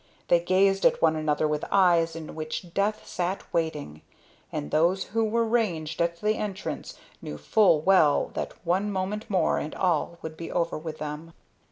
They gazed at one another with eyes in which death sat waiting, and those who were ranged at the entrance knew full well that one moment more and all would be over with them.